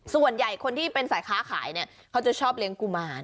ส่วนใหญ่คนที่เป็นสายค้าขายเนี่ยเขาจะชอบเลี้ยงกุมาร